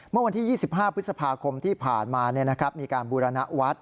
เมื่อวันที่๒๕พฤษภาคมที่ผ่านมามีการบูรณวัฒน์